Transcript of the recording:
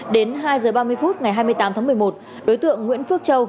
đến hai h ba mươi phút ngày hai mươi tám tháng một mươi một đối tượng nguyễn phước châu